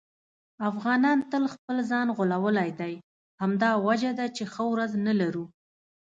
افغانانو تل خپل ځان غولولی دی. همدا وجه ده چې ښه ورځ نه لرو.